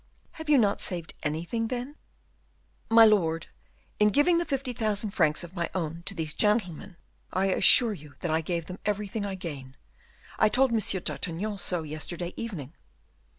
"Have you not saved anything, then?" "My lord, in giving the fifty thousand francs of my own to these gentlemen, I assure you that I gave them everything I gain. I told M. d'Artagnan so yesterday evening."